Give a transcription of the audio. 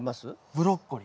ブロッコリー。